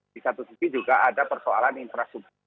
di satu sisi juga ada persoalan infrastruktur